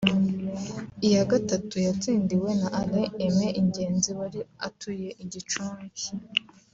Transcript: Iya gatatu yatsindiwe na Alain Aime Ingenzi wari atuye I Gicumbi